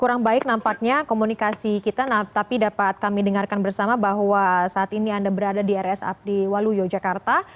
kurang baik nampaknya komunikasi kita tapi dapat kami dengarkan bersama bahwa saat ini anda berada di rs abdi waluyo jakarta